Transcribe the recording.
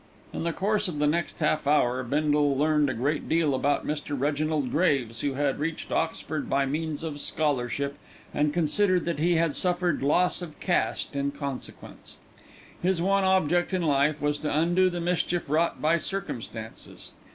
In the course of the next half hour Bindle learned a great deal about Mr. Reginald Graves, who had reached Oxford by means of scholarship, and considered that he had suffered loss of caste in consequence. His one object in life was to undo the mischief wrought by circumstances.